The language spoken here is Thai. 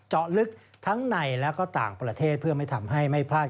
เจาะลึกทั้งในและก็ต่างประเทศเพื่อไม่ทำให้ไม่พลาด